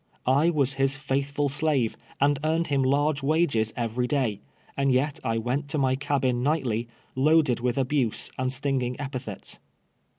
I was his faithful slave, and earned him large wages every day, and y^t I went to my cabin nightly, loaded with abuse and stinging epithets.